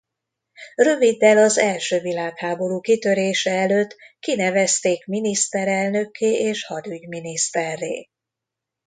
Röviddel az első világháború kitörése előtt kinevezték miniszterelnökké és hadügyminiszterré.